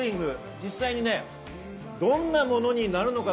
実際、どんなものになるのか。